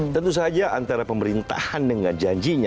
tentu saja antara pemerintahan dengan janjinya